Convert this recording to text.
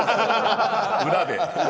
裏で。